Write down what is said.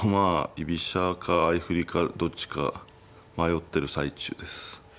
居飛車か相振りかどっちか迷ってる最中です。